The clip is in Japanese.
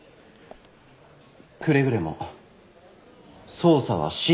くれぐれも捜査は慎重に。